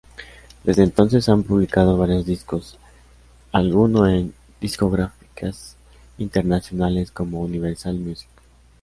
Desde entonces han publicado varios discos, alguno en discográficas internacionales como Universal Music.